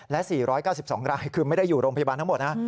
และ๔๙๒รายคือไม่ได้อยู่โรงพยาบาลทั้งหมดนะ